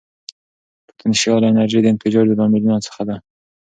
پوتنشیاله انرژي د انفجار د لاملونو څخه ده.